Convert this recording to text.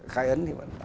khai ấn thì vẫn còn